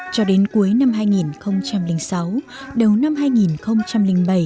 cho đến cuối năm hai nghìn sáu đầu năm hai nghìn bảy